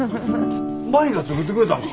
舞が作ってくれたんか。